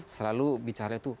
selalu bicara itu